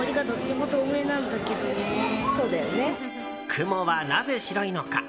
雲はなぜ白いのか？